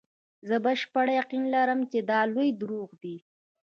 زه بشپړ یقین لرم چې دا لوی دروغ دي.